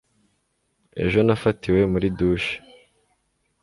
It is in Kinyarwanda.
ejo nafatiwe muri douche